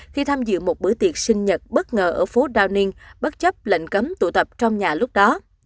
khi tham dự một bữa tiệc sinh nhật bất ngờ ở phố downing bất chấp lệnh cấm tụ tập trong nhà lúc đó